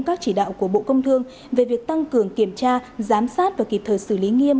các chỉ đạo của bộ công thương về việc tăng cường kiểm tra giám sát và kịp thời xử lý nghiêm